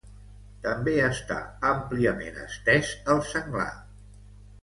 També està àmpliament estès el senglar.